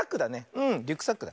うんリュックサックだ。